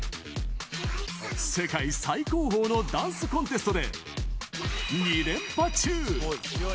世界最高峰のダンスコンテストで、２連覇中。